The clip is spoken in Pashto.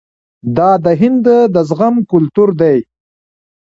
دا د هند د زغم کلتور دی.